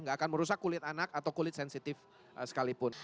nggak akan merusak kulit anak atau kulit sensitif sekalipun